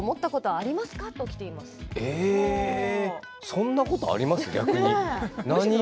そんなことあります？